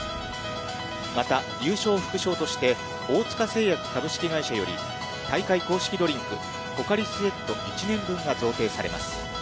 また優勝副賞として、大塚製薬株式会社より大会公式ドリンク、ポカリスエット１年分が贈呈されます。